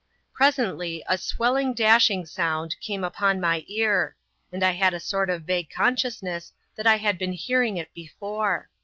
Presently, a swelling dashing sound came upon my ear, and I had a sort of vague consciousness that I had been hearing it before.